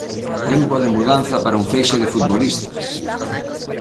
Tempo de mudanza para un feixe de futbolistas.